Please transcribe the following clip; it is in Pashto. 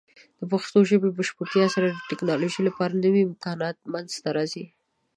د پښتو ژبې بشپړتیا سره، د ټیکنالوجۍ لپاره نوې امکانات منځته راځي.